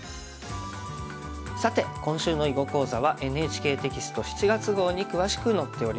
さて今週の囲碁講座はＮＨＫテキスト７月号に詳しく載っております。